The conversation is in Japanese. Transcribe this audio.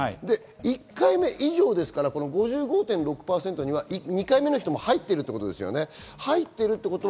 １回目以上ですから５５．６％には２回目の方も入ってるということですよね。